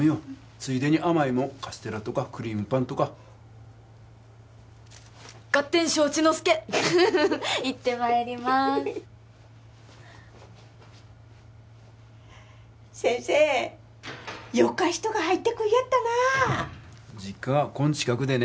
ついでに甘いもんカステラとかクリームパンとかガッテン承知の助行ってまいりまーす先生よか人が入ってくれやったなあ実家がこん近くでね